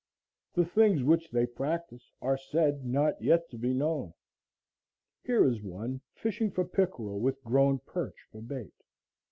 The things which they practise are said not yet to be known. Here is one fishing for pickerel with grown perch for bait.